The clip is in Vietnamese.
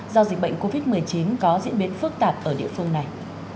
do dịch bệnh covid một mươi chín có diễn biến phức tạp ở địa phương này